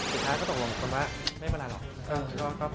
สุดท้ายก็ตกลงกันว่าไม่เป็นไรหรอก